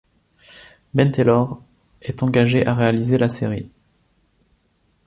Ben Taylor est engagé à réaliser la série.